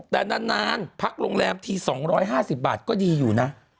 แต่นานพักโรงแรมที๒๕๐บาทก็ดีอยู่นะ